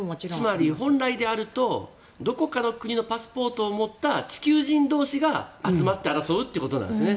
つまり、本来であるとどこかの国のパスポートを持った地球人同士が集まって争うということなんですね。